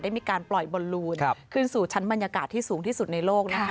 มีการปล่อยบอลลูนขึ้นสู่ชั้นบรรยากาศที่สูงที่สุดในโลกนะคะ